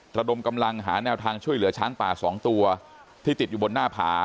ระดมกำลังหาแนวทางช่วยเหลือช้างป่าสองตัวที่ติดอยู่บนหน้าผา